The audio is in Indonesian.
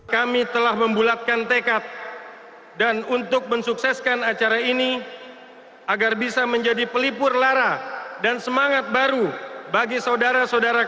kami telah membulatkan tekad dan untuk mensukseskan acara ini agar bisa menjadi pelipur lara dan semangat baru bagi saudara saudara kita